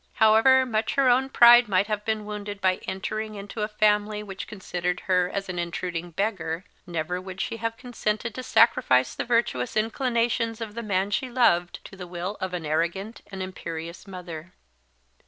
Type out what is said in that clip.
However much her own pride might have been wounded by entering into a family which considered her as an intruding beggar, never would she have consented to sacrifice the virtuous inclinations of the man she loved to the will of an arrogant and imperious mother.